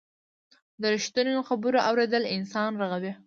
د رښتینو خبرو اورېدل انسان رغوي.